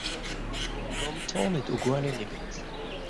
Gantañ n' edo gwalenn ebet.